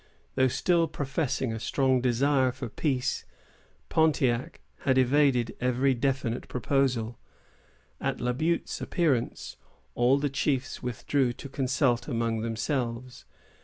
Though still professing a strong desire for peace, Pontiac had evaded every definite proposal. At La Butte's appearance, all the chiefs withdrew to consult among themselves.